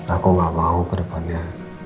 aku gak mau kedepannya